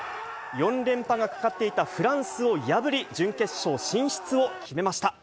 ４連覇がかかっていたフランスを破り、準決勝進出を決めました。